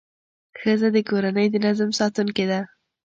ښځه د کورنۍ د نظم ساتونکې ده.